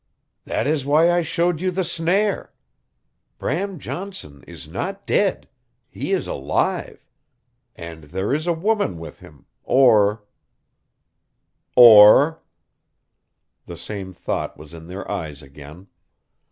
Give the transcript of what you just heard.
"That is why I showed you the snare. Bram Johnson is not dead. He is alive. And there is a woman with him, or " "Or " The same thought was in their eyes again.